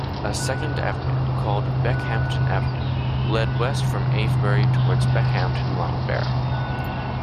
A second avenue, called Beckhampton Avenue led west from Avebury towards Beckhampton Long Barrow.